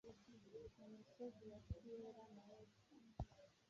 mu misozi ya sierra maestra